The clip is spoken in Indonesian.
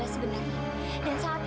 toh sayangnya their time